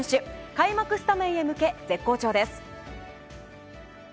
開幕スタメンへ向け絶好調です。